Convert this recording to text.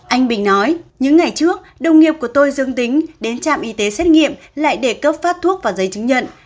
anh bình nói những ngày trước đồng nghiệp của tôi dương tính đến trạm y tế xét nghiệm lại để cấp phát thuốc và giấy chứng nhận